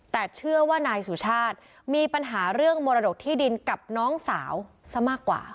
แต่เชื่อว่านายสุชาติมีปัญหาเรื่องมรดกที่ดินกับน้องสาวซะมากกว่า